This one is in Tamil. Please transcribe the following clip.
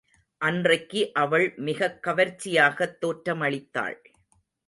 அன்றைக்கு அவள் மிகக் கவர்ச்சியாகத் தோற்றமளித்தாள்.